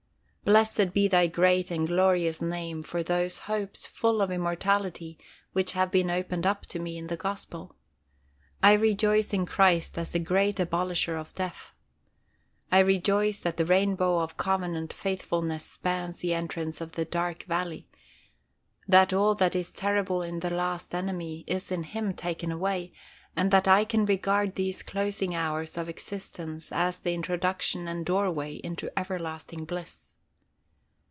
Blessed be Thy great and glorious name for those hopes full of immortality which have been opened up to me in the Gospel. I rejoice in Christ as the great Abolisher of death. I rejoice that the rainbow of covenant faithfulness spans the entrance to the dark valley; that all that is terrible in the last enemy is in Him taken away, and that I can regard these closing hours of existence as the introduction and doorway into everlasting bliss.